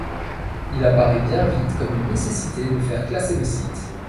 Il apparaît bien vite comme une nécessité de faire classer le site.